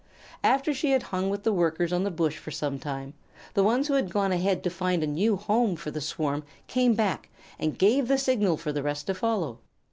After she had hung with the Workers on the bush for some time, the ones who had gone ahead to find a new home for the swarm came back and gave the signal for the rest to follow.